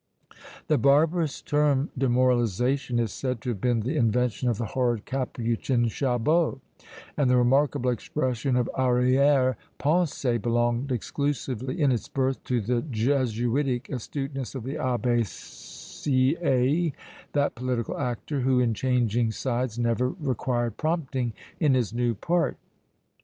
The barbarous term demoralisation is said to have been the invention of the horrid capuchin Chabot; and the remarkable expression of arrière pensée belonged exclusively in its birth to the jesuitic astuteness of the Abbé Sieyes, that political actor, who, in changing sides, never required prompting in his new part!